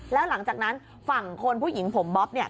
แล้วหลังจากนั้นฝั่งคนผู้หญิงผมบ๊อบเนี่ย